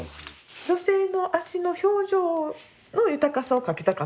女性の足の表情の豊かさを描きたかったんですよね。